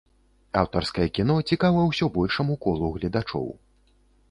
Аўтарскае кіно цікава ўсё большаму колу гледачоў.